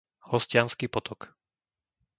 Hostiansky potok